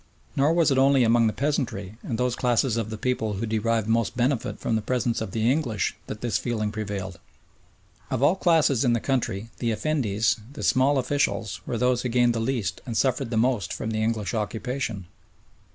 Nor was it only among the peasantry and those classes of the people who derived most benefit from the presence of the English that this feeling prevailed. Of all classes in the country the "effendis," the small officials, were those who gained the least and suffered the most from the English occupation.